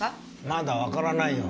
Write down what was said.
まだわからないよ。